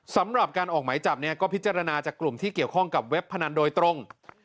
สำหรับการออกหมายจับเนี่ยก็พิจารณาจากกลุ่มที่เกี่ยวข้องกับเว็บพนันโดยตรง